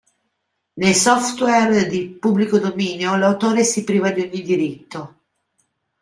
Nei software di pubblico dominio, l'autore si priva di ogni diritto.